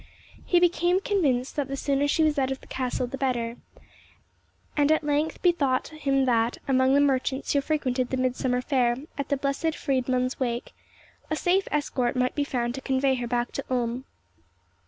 He became convinced that the sooner she was out of the castle the better, and at length bethought him that, among the merchants who frequented the Midsummer Fair at the Blessed Friedmund's Wake, a safe escort might be found to convey her back to Ulm.